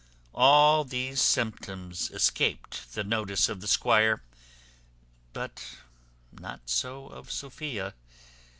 All these symptoms escaped the notice of the squire: but not so of Sophia.